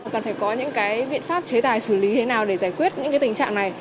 cần phải có những cái biện pháp chế tài xử lý thế nào để giải quyết những cái tình trạng này